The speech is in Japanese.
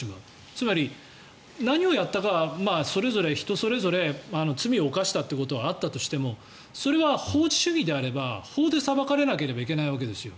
つまり、何をやったかは人それぞれ罪を犯したということはあったとしてもそれは法治主義であれば法で裁かれなければいけないわけですよ。